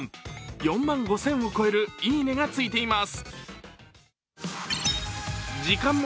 ４万５０００を超える「いいね」がついています。